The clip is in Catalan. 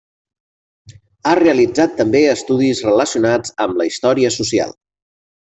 Ha realitzat també estudis relacionats amb la història social.